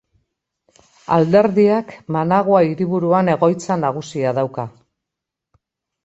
Alderdiak Managua hiriburuan egoitza nagusia dauka.